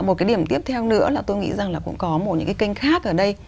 một cái điểm tiếp theo nữa là tôi nghĩ rằng là cũng có một những cái kênh khác ở đây